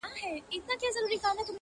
• سم په لاره کی اغزی د ستوني ستن سي,